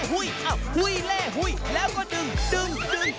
หุ้ยเล่หุ้ยแล้วก็ดึงดึง